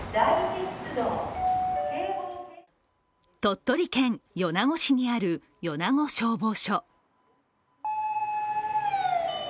鳥取県米子市にある米子消防署。